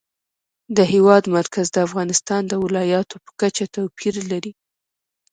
د هېواد مرکز د افغانستان د ولایاتو په کچه توپیر لري.